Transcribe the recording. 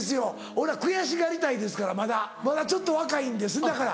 俺は悔しがりたいですからまだちょっと若いんですねだから。